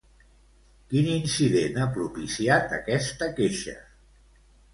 Quin incident ha propiciat aquesta queixa?